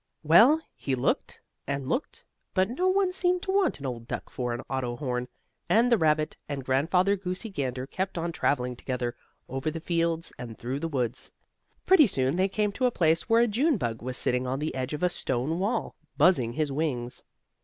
Well, he looked and looked, but no one seemed to want an old duck for an auto horn, and the rabbit and Grandfather Goosey Gander kept on traveling together, over the fields and through the woods. Pretty soon they came to a place where a June bug was sitting on the edge of a stone wall, buzzing his wings.